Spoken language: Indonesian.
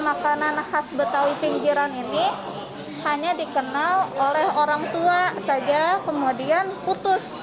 jadi jangan sampai makanan makanan khas betawi pinggiran ini hanya dikenal oleh orang tua saja kemudian putus